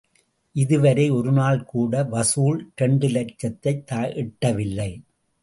இதுவரை ஒருநாள் கூட வசூல் இரண்டு லட்சத்தை எட்டவில்லை.